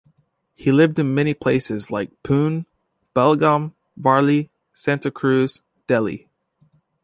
He lived in many places like Pune, Belgaum, Varli, Santacruz, Delhi.